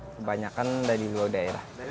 kebanyakan dari luar daerah